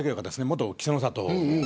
元稀勢の里。